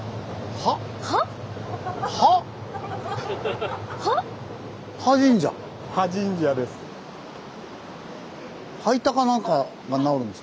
歯神社です。